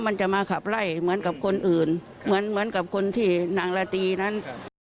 มันจะมาขับไล่เหมือนกับคนอื่นเหมือนเหมือนกับคนที่นางราตรีนั้น